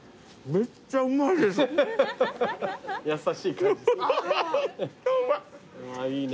めっちゃうまい！いいね。